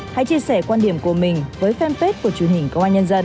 hãy chia sẻ quan điểm của mình với fanpage của chương trình công an nhân dân